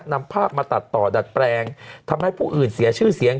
นำภาพมาตัดต่อดัดแปลงทำให้ผู้อื่นเสียชื่อเสียง